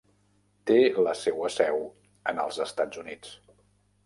Té la seua seu en els Estats Units.